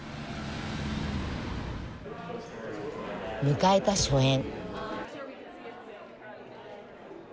迎えた初演。